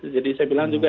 jadi saya bilang juga